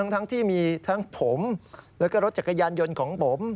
ทั้งที่มีทั้งผมแล้วก็รถจักรยานยนต์ของผม